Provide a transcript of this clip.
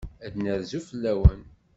Ad d-nerzu fell-awen.